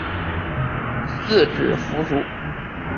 四指蝠属。